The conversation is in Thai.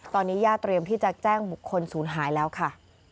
ตอนนี้ญาติเตรียมที่จะแจ้งบุคคลศูนย์หายแล้วค่ะ